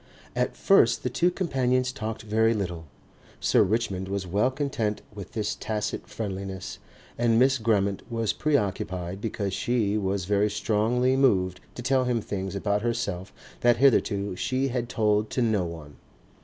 At first the two companions talked very little. Sir Richmond was well content with this tacit friendliness and Miss Grammont was preoccupied because she was very strongly moved to tell him things about herself that hitherto she had told to no one.